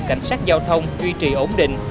cảnh sát giao thông duy trì ổn định